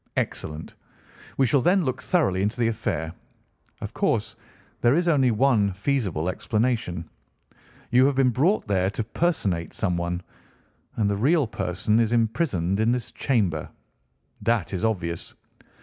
"Excellent! We shall then look thoroughly into the affair. Of course there is only one feasible explanation. You have been brought there to personate someone, and the real person is imprisoned in this chamber. That is obvious.